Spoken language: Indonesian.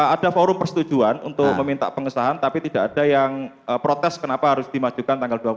ada forum persetujuan untuk meminta pengesahan tapi tidak ada yang protes kenapa harus dimajukan tanggal dua puluh